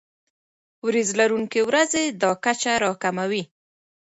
وریځ لرونکي ورځې دا کچه راکموي.